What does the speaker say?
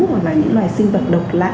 hoặc là những loài sinh vật độc lạ